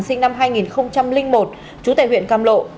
sinh năm hai nghìn một trú tại huyện cam lộ